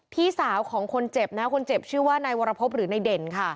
พี่สาวของคนเจ็บชื่อว่านายวรภพหรือนายเด่น